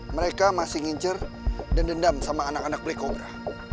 mereka masih ngincer dan dendam sama anak anak black cobra